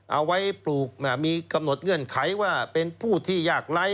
เอาไว้ปลูกมีกำหนดเงื่อนไขว่าเป็นผู้ที่ยากไร้